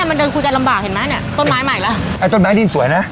มันเดินคุยกันลำบากเห็นไหมเนี้ยต้นไม้มาอีกแล้วไอ้ต้นไม้ดินสวยนะ